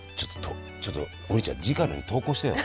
ちょっと王林ちゃん次回のに投稿してよ。